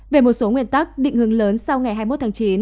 về một số nguyên tắc định hướng lớn sau ngày hai mươi một tháng chín